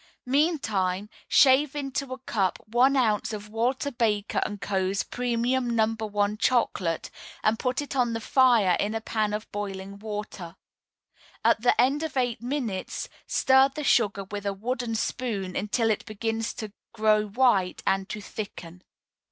Meantime, shave into a cup one ounce of Walter Baker & Co.'s Premium No. 1 Chocolate, and put it on the fire in a pan of boiling water. At the end of eight minutes stir the sugar with a wooden spoon until it begins to grow white and to thicken.